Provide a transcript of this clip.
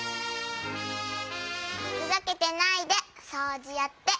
ふざけてないでそうじやって。